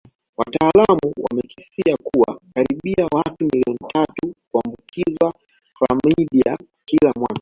Wataalamu wamekisia kuwa karibia watu milioni tatu huambukizwa klamidia kila mwaka